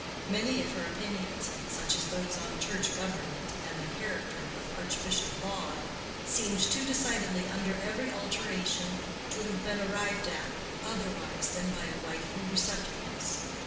Many of her opinions, such as those on church government and the character of Archbishop Laud, seemed too decided under every alteration to have been arrived at otherwise than by a wifely receptiveness.